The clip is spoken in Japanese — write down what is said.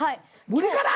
無理から！？